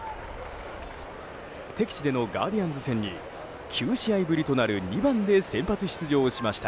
敵地でのガーディアンズ戦に９試合ぶりとなる２番で先発出場しました。